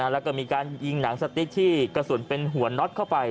แล้วก็มีการยิงหนังสติ๊กที่กระสุนเป็นหัวน็อตเข้าไป